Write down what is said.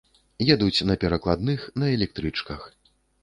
Едуць на перакладных, на электрычках.